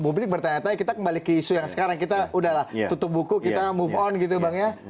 publik bertanya tanya kita kembali ke isu yang sekarang kita udahlah tutup buku kita move on gitu bang ya